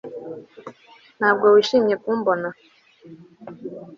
Ntabwo wishimiye kumbona